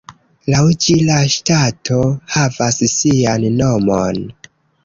Laŭ ĝi la ŝtato havas sian nomon.